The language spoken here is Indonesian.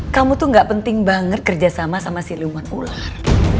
kamu tuh gak penting banget kerjasama sama siluman ular